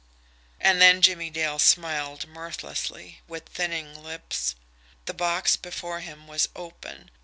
And then Jimmie Dale smiled mirthlessly, with thinning lips. The box before him was open.